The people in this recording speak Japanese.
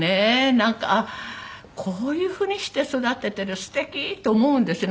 なんかこういう風にして育ててる素敵って思うんですね